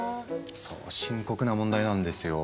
そう深刻な問題なんですよ。